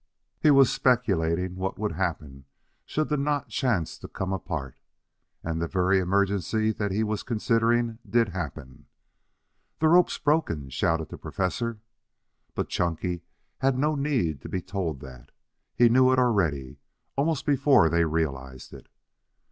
He was speculating what would happen should the knot chance to come apart. And the very emergency that he was considering did happen. "The rope's broken!" shouted the Professor. But Chunky had no need to be told that. He knew it already, almost before they realized it.